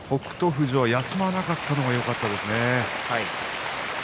富士は休まなかったのがよかったですね。